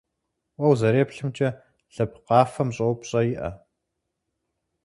Уэ узэреплъымкӏэ, лъэпкъ къафэм щӀэупщӀэ иӀэ?